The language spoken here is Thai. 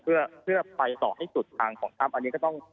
เพื่อไปต่อให้สุดทางของถ้ำอันนี้ก็ต้อง